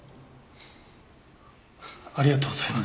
ありがとうございます。